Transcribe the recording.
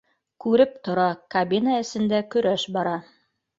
Күреп тора, кабина эсендә көрәш бара